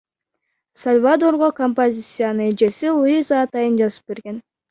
Сальвадорго композицияны эжеси Луиза атайын жазып берген.